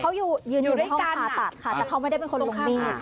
เขายืนอยู่ในห้องคาตัดแต่เขาไม่ได้เป็นคนลงมีด